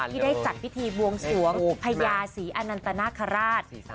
ที่ได้จัดพิธีบวงสวงพญาศรีอนันตนาคาราช